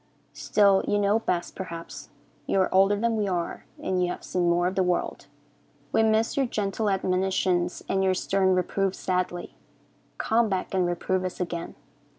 Still, you know best, perhaps. You are older than we are, and you have seen more of the world. We miss your gentle admonitions and your stern reproofs sadly. Come back and reprove us again.